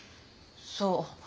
そう。